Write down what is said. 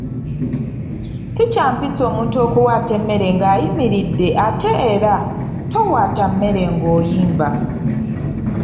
Si kya mpisa omuntu okuwaata emmere ng’ayimiridde ate era towaata mmere ng’oyimba.